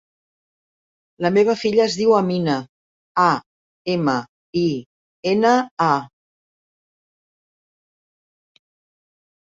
La meva filla es diu Amina: a, ema, i, ena, a.